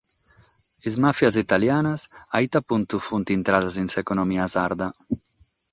Sas màfias italianas a ite puntu sunt intradas in s’economia sarda?